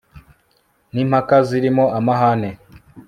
n impaka zirimo amahane